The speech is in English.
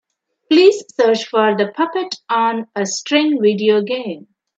Please search for the Puppet on a String video game.